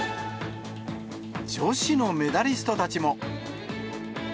女子のメダリストたちも。